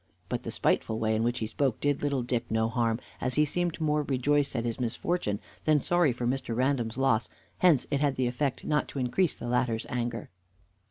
But the spiteful way in which he spoke did little Dick no harm, as he seemed more rejoiced at his misfortune than sorry for Mr. Random's loss; hence it had the effect not to increase the latter's anger.